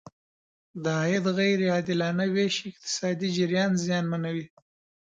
د عاید غیر عادلانه ویش اقتصادي جریان زیانمنوي.